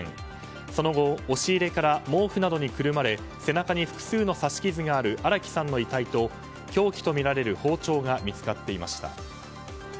その後、押し入れから毛布などにくるまれ背中に複数の刺し傷がある荒木さんの遺体と凶器とみられる包丁が見つかっていました。